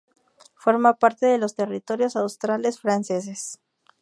Forma parte de los Territorios Australes Franceses.